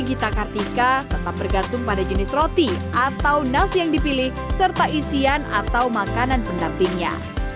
gita kartika tetap bergantung pada jenis roti atau nasi yang dipilih serta isian atau makanan pendampingnya